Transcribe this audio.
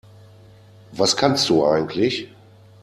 Was kannst du eigentlich?